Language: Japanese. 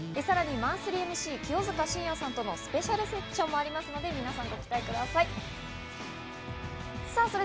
さらにマンスリーＭＣ・清塚信也さんとのスペシャルセッションもありますので皆さんご期待ください。